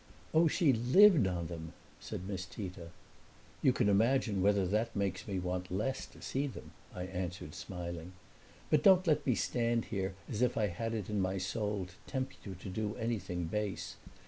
"Oh, she lived on them!" said Miss Tita. "You can imagine whether that makes me want less to see them," I answered, smiling. "But don't let me stand here as if I had it in my soul to tempt you to do anything base.